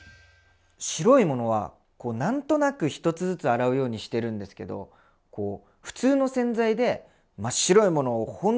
白いものはこう何となく１つずつ洗うようにしてるんですけどこう普通の洗剤で真っ白いものを本当に白くするって無理ですよね？